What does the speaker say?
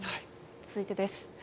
続いてです。